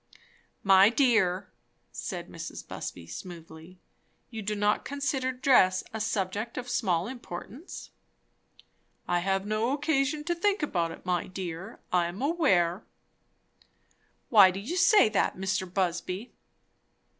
"My dear," said Mrs. Busby smoothly, "you do not consider dress a subject of small importance?" "I have no occasion to think about it, my dear, I am aware." "Why do you say that, Mr. Busby?"